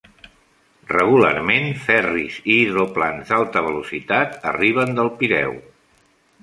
Regularment, ferris i hidroplans d'alta velocitat arriben del Pireu.